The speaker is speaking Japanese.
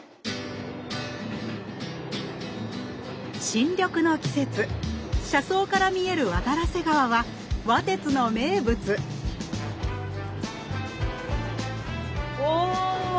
新緑の季節車窓から見える渡良瀬川は「わ鐵」の名物お！